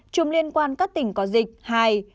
ba chùm liên quan các tỉnh có dịch hai